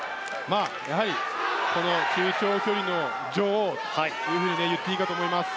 やはり、中長距離の女王といっていいかと思います。